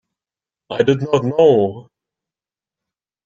I did not know.